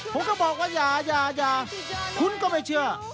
ผมก็บอกว่าอย่าอย่าอย่าคุณก็ไม่เชื่อ